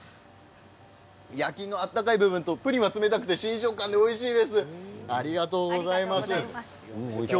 焼きの温かい部分と冷たいところで新食感でおいしいです。